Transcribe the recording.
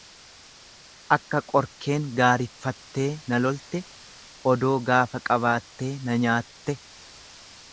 Akka qorkeen gaarifattee na laalte, odoo gaafa qabaattee na nyaatte.